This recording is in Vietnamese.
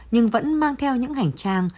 nhưng vẫn mang theo những hành trang